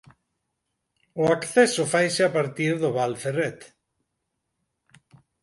O acceso faise a partir do Val Ferret.